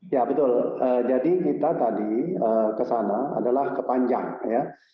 ya betul jadi kita tadi kesana adalah kepanjang ya